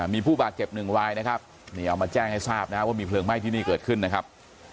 มีผู้บาดเจ็บหนึ่งรายนะครับนี่เอามาแจ้งให้ทราบนะครับว่ามีเพลิงไหม้ที่นี่เกิดขึ้นนะครับ